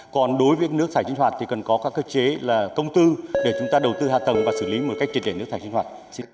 còn đối với nước thải trinh hoạt thì cần có các cơ chế là công tư để chúng ta đầu tư hạ tầng và xử lý một cách triệt để nước thải sinh hoạt